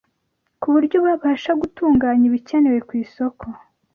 ku buryo babasha gutunganya ibikenewe ku isoko